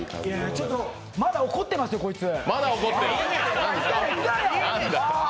ちょっと、まだ怒ってますよ、こいつ。